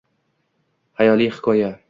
Xayoliy hikoya